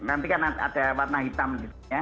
nanti kan ada warna hitam gitu ya